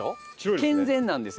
健全なんですよ。